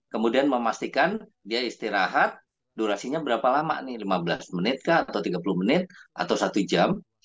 kemudian memastikan dia istirahat durasinya berapa lama lima belas menit atau tiga puluh menit atau satu jam